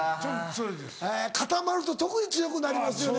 固まると特に強くなりますよね。